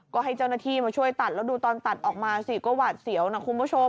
ก็ให้เจ้าหน้าที่มาช่วยตัดแล้วดูตอนตัดออกมาสิก็หวาดเสียวนะคุณผู้ชม